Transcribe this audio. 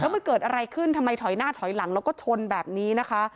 มันเกิดอะไรขึ้นทำไมถอยหน้าถอยหลังแล้วก็ชนแบบนี้นะคะ